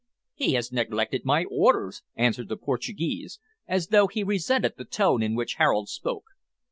"He has neglected my orders," answered the Portuguese, as though he resented the tone in which Harold spoke.